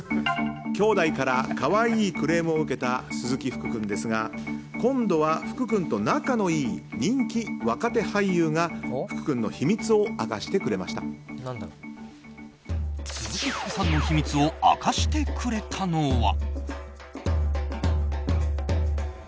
きょうだいから可愛いクレームを受けた鈴木福君ですが今度は、福君と仲のいい人気若手俳優が鈴木福さんの秘密を明かしてくれたのは。